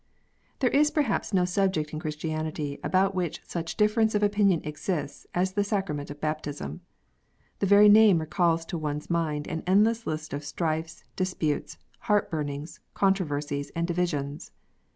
THERE is perhaps no subject in Christianity about which such difference of opinion exists as the sacrament of baptism. The very name recalls to one s mind an endless list of strifes, disputes, heart burnings, controversies, and divisions.